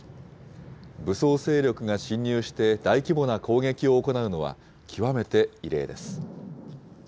武装勢力が侵入して大規模な攻撃を行うのは極めて異例です。